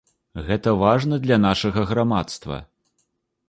Гэта важна для нашага грамадства.